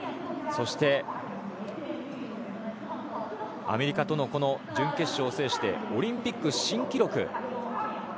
そして、アメリカとの準決勝を制してオリンピック新記録。